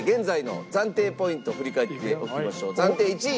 暫定１位。